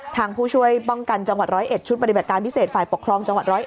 ผู้ช่วยป้องกันจังหวัด๑๐๑ชุดปฏิบัติการพิเศษฝ่ายปกครองจังหวัด๑๐๑